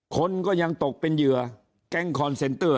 คนก็ยังตกเป็นเหยื่อแก๊งคอนเซนเตอร์